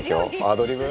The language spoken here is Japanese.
「アドリブ？」